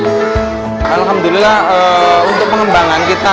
alhamdulillah untuk pengembangan kita